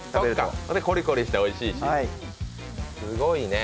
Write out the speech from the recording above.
コリコリしておいしいし、すごいね。